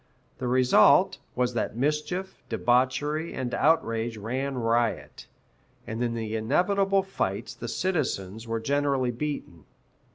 The result was that mischief, debauchery, and outrage ran riot, and in the inevitable fights the citizens were generally beaten.